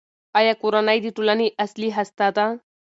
آیا کورنۍ د ټولنې اصلي هسته ده؟